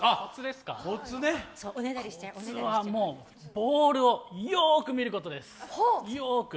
コツはボールをよく見ることです、よく。